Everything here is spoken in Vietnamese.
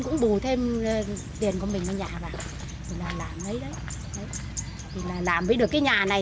cũng bù thêm tiền của mình ở nhà vào làm với được cái nhà này